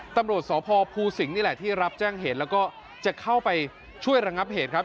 ตำรวจสพภูสิงจ่างเหตุแล้วก็จะเข้าไปช่วยระงับเหตุครับ